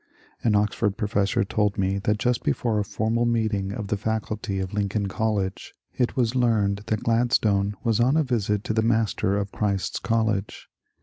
" An Oxford professor told me that just before a formal meeting of the Faculty of Lincoln College it was learned that Gladstone was on a visit to the Master of Christ's College.